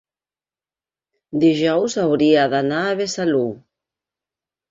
dijous hauria d'anar a Besalú.